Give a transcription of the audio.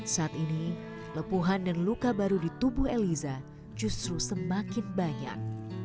saat ini lepuhan dan luka baru di tubuh eliza justru semakin banyak